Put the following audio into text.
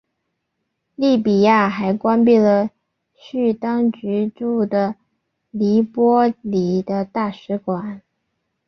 利比亚还关闭了叙当局驻的黎波里的大使馆。